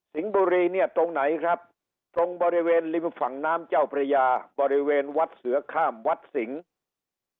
บุรีเนี่ยตรงไหนครับตรงบริเวณริมฝั่งน้ำเจ้าพระยาบริเวณวัดเสือข้ามวัดสิงศ์